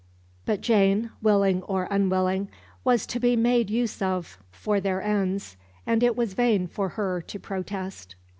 But Jane, willing or unwilling, was to be made use of for their ends, and it was vain for her to protest.